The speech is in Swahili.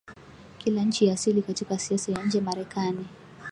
kila nchi ya asili Katika siasa ya nje Marekani